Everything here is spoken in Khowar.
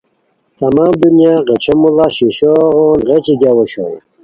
تمام دنیا غیچھو موڑا شیشو غون غیچی گیاؤ اوشوئے